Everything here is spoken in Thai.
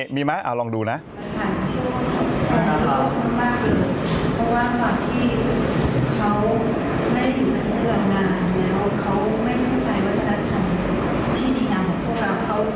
เขาไม่เข้าใจวัฒนธรรมชีวินิยามของพวกเขา